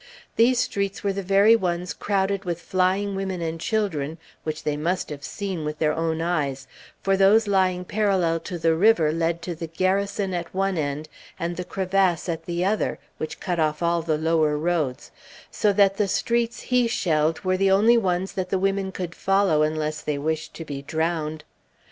These streets were the very ones crowded with flying women and children, which they must have seen with their own eyes, for those lying parallel to the river led to the Garrison at one end and the crevasse at the other, which cut off all the lower roads, so that the streets he shelled were the only ones that the women could follow, unless they wished to be drowned.